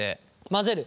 混ぜる。